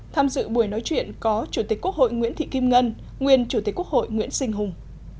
tham dự buổi nói chuyện có chủ tịch quốc hội nguyễn thị kim ngân nguyên chủ tịch quốc hội nguyễn sinh hùng